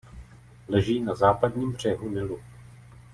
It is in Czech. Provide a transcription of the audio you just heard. Leží na západním břehu Nilu.